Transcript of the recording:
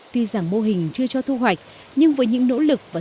tuy rằng mô hình chưa cho thu hoạch nhưng với những nỗ lực và sự cẩn thận